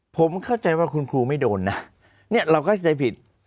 ผมเข้าใจว่าคุณครูไม่โดนนะเนี่ยเราเข้าใจผิด